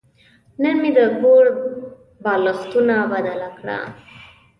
نن مې د کور بالښتونه بدله کړل.